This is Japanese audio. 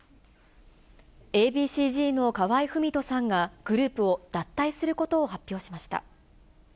Ａ．Ｂ．ＣーＺの河合郁人さんが、グループを脱退することを発表しました。